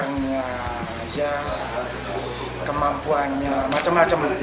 ternyata kemampuannya macam macam